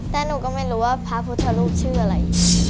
แต่หนูก็ไม่รู้ว่าพระพุทธรูปชื่ออะไร